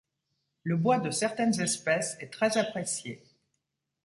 Le bois de certaines espèces est très apprécié.